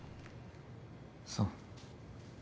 そう。